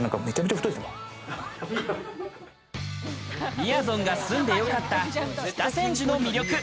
みやぞんが住んでよかった北千住の魅力。